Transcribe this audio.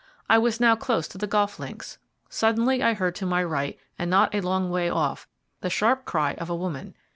I was now close to the golf links. Suddenly I heard to my right, and not a long way off, the sharp cry of a woman.